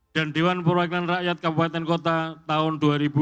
dan dewan perwakilan rakyat kabupaten kota tahun dua ribu dua puluh empat